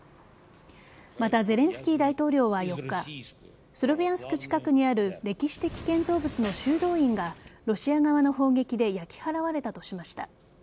また、ゼレンスキー大統領は４日スロビャンスク近くにある歴史的建造物の修道院がロシア側の砲撃で焼き払われたとしました。